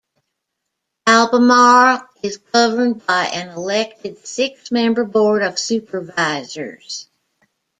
Albemarle is governed by an elected six-member Board of Supervisors.